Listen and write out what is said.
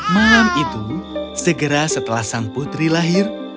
malam itu segera setelah sang putri lahir